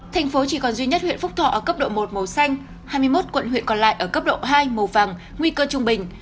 thành phố chỉ còn duy nhất huyện phúc thọ ở cấp độ một màu xanh hai mươi một quận huyện còn lại ở cấp độ hai màu vàng nguy cơ trung bình